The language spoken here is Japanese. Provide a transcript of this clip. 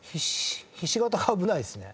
ひし形が危ないですね。